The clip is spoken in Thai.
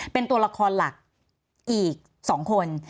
เป็นตัวละครหลักอีก๒คน